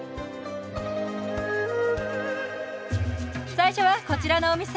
最初はこちらのお店。